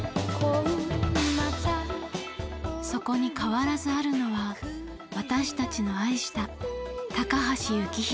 そこに変わらずあるのは私たちの愛した高橋幸宏のドラムです。